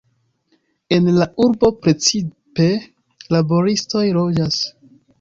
En la urbo precipe laboristoj loĝas.